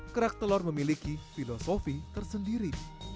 kerak telur memiliki filosofi tersendiri